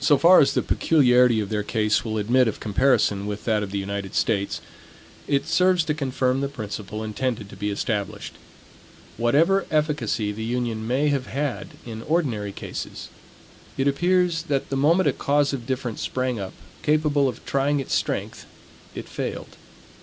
So far as the peculiarity of their case will admit of comparison with that of the United States, it serves to confirm the principle intended to be established. Whatever efficacy the union may have had in ordinary cases, it appears that the moment a cause of difference sprang up, capable of trying its strength, it failed.